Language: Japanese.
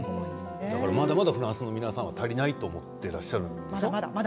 まだまだフランスの皆さんは足りないと思ってらっしゃるんですね。